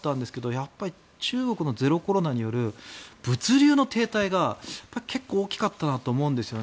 やっぱり中国のゼロコロナによる物流の停滞が結構大きかったなと思うんですね。